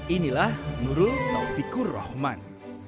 inilah nurul taufikur rahman